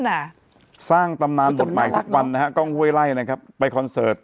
น่ะสร้างตำนานบทใหม่ทุกวันนะฮะกล้องห้วยไล่นะครับไปคอนเสิร์ต